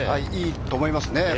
いいと思いますね。